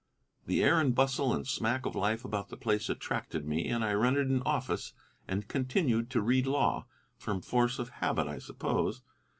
The air and bustle and smack of life about the place attracted me, and I rented an office and continued to read law, from force of habit, I suppose.